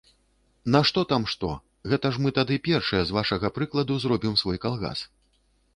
Нашто там што, гэта ж мы тады першыя з вашага прыкладу зробім свой калгас.